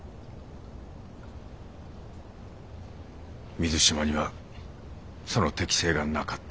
水島にはその適性がなかった。